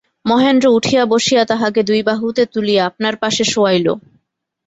মহেন্দ্র উঠিয়া বসিয়া তাহাকে দুই বাহুতে তুলিয়া আপনার পাশে শোয়াইল।